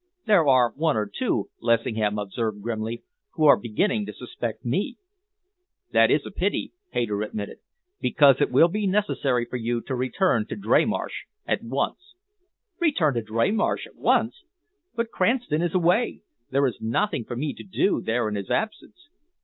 "There are one or two," Lessingham observed grimly, "who are beginning to suspect me." "That is a pity," Hayter admitted, "because it will be necessary for you to return to Dreymarsh at once." "Return to Dreymarsh at once? But Cranston is away. There is nothing for me to do there in his absence."